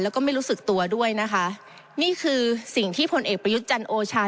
แล้วก็ไม่รู้สึกตัวด้วยนะคะนี่คือสิ่งที่พลเอกประยุทธ์จันทร์โอชา